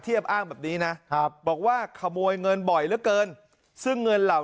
เทียบอ้างแบบนี้นะครับบอกว่าขโมยเงินบ่อยเหลือเกินซึ่งเงินเหล่า